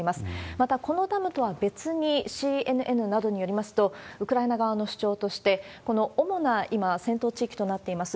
また、このダムとは別に、ＣＮＮなどによりますと、ウクライナ側の主張として、この主な今、戦闘地域となっています